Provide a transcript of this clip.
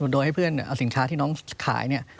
โดยให้เพื่อนเอาสินค้าที่น้องขายเนี่ย